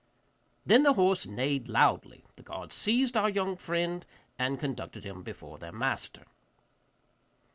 Then the horse neighed loudly; the guards seized our young friend and conducted him before their master.